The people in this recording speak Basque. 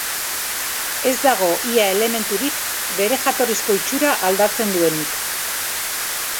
Ez dago ia elementurik bere jatorrizko itxura aldatzen duenik.